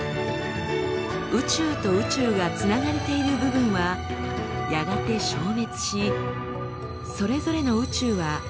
宇宙と宇宙がつながれている部分はやがて消滅しそれぞれの宇宙は離れ離れになります。